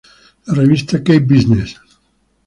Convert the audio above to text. La revista "Cape Business.